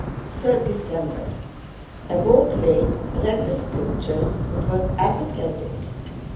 3rd December Awoke late, read the Scriptures but was apathetic.